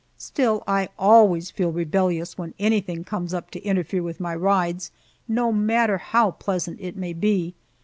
Still, I always feel rebellious when anything comes up to interfere with my rides, no matter how pleasant it may be.